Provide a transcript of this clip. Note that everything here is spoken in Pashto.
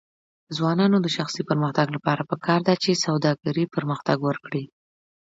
د ځوانانو د شخصي پرمختګ لپاره پکار ده چې سوداګري پرمختګ ورکړي.